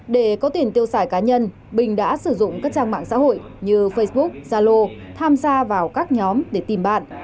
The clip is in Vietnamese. để có tiền tiêu xài cá nhân bình đã sử dụng các trang mạng xã hội như facebook zalo tham gia vào các nhóm để tìm bạn